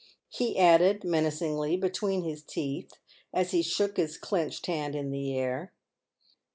he added, menacingly, between his teeth, as he shook his clenched hand in the air.